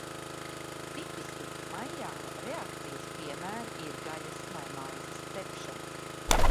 Tipiski Maijāra reakcijas piemēri ir gaļas vai maizes cepšana.